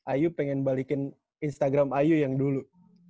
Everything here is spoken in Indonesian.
ayu pengen balikin instagram ayu yang dulu